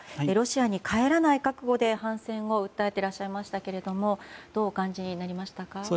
ロシアに帰らない覚悟で反戦を訴えていらっしゃいましたけどどうお感じになりましたか？